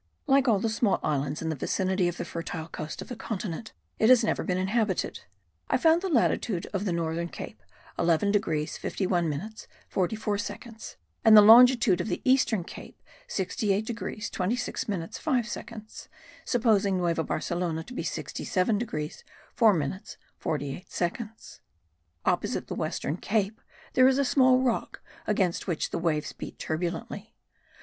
Like all the small islands in the vicinity of the fertile coast of the continent it has never been inhabited. I found the latitude of the northern cape 11 degrees 51 minutes 44 seconds and the longitude of the eastern cape 68 degrees 26 minutes 5 seconds (supposing Nueva Barcelona to be 67 degrees 4 minutes 48 seconds). Opposite the western cape there is a small rock against which the waves beat turbulently.